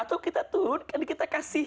atau kita turun kan kita kasih